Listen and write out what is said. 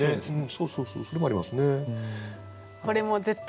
そうそうそれもありますね。